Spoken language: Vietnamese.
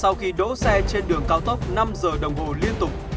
sau khi đỗ xe trên đường cao tốc năm giờ đồng hồ liên tục